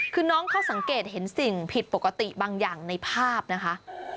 คือน้องเขาสังเกตเห็นสิ่งผิดปกติบางอย่างในภาพนะคะ